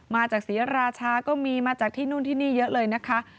มาจากศรีราชาก็มีมาจากที่นู่นที่นี่เยอะเลยนะคะ